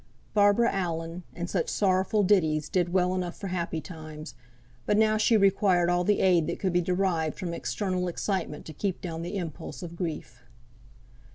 "Barbara Allen," and such sorrowful ditties, did well enough for happy times; but now she required all the aid that could be derived from external excitement to keep down the impulse of grief.